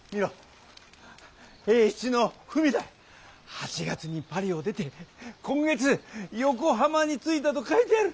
８月にパリを出て今月横浜に着いたと書いてある！